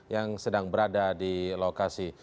yang sedang berada di lokasi